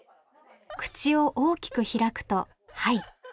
口を大きく開くと「はい」。